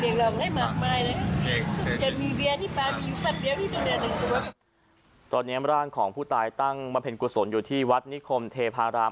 นั่นตัวตอนนี้ร่างของผู้ตายตั้งมันเป็นกฎศนอยู่ที่วัดนิขมเทพาราม